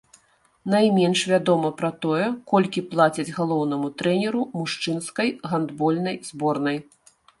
Найменш вядома пра тое, колькі плацяць галоўнаму трэнеру мужчынскай гандбольнай зборнай.